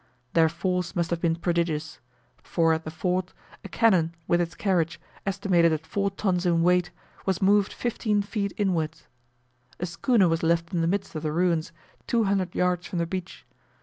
Their force must have been prodigious; for at the Fort a cannon with its carriage, estimated at four tons in weight, was moved 15 feet inwards. A schooner was left in the midst of the ruins, 200 yards from the beach.